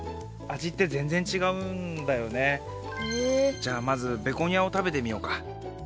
じゃあまずベゴニアを食べてみようか。